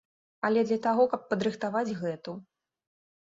Але для таго, каб падрыхтаваць гэту.